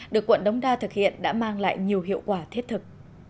được quận đống đa thực hiện đã mang lại nhiều hiệu quả thiết thực